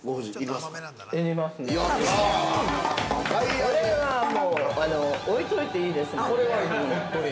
◆これはもう置いといていいですね。